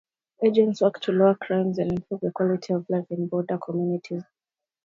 Agents work to lower crimes and improve the quality of life in border communities.